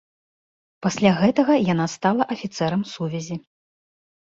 Пасля гэтага яна стала афіцэрам сувязі.